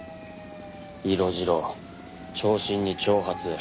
色白長身に長髪。